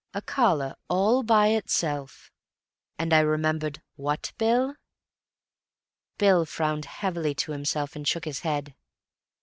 A collar all by itself?' And I remembered—what, Bill?" Bill frowned heavily to himself, and shook his head.